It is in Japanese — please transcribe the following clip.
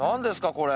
これ。